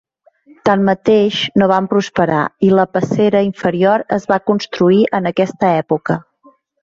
Tanmateix, no van prosperar i la passera inferior es va construir en aquesta època.